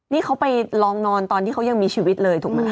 นี่เขาไปลองนอนตอนที่เขายังมีชีวิตเลยถูกไหม